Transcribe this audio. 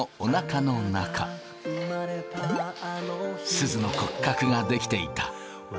すずの骨格が出来ていた。